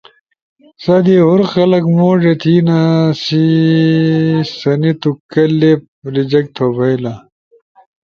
سہ دی ہور خلق موڙے تھینا سنی تو کلپ ریجیکٹ تو بئیلا۔